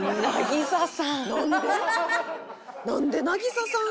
渚さん神！